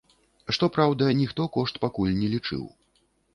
Што праўда, ніхто кошт пакуль не лічыў.